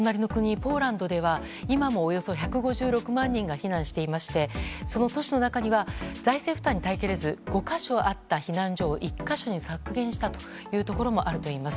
ポーランドでは今もおよそ１５６万人が避難していましてその都市の中には財政負担に耐えられず５か所あった避難所を１か所に削減したというところもあるといいます。